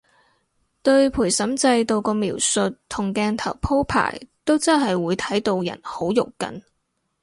對陪審制度個描述同鏡頭鋪排都真係會睇到人好肉緊